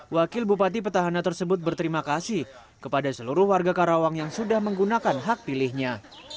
wakil bupati petahana tersebut berterima kasih kepada seluruh warga karawang yang sudah menggunakan hak pilihnya